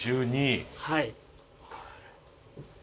はい。